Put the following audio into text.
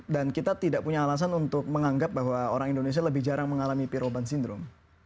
dan kita tidak punya alasan untuk menganggap bahwa orang indonesia lebih jarang mengalami pierre robin syndrome